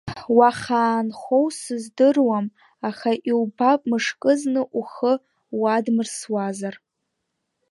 Уахаанхоу сыздыруам, аха иубап мышкызны ухы уадмырсуазар.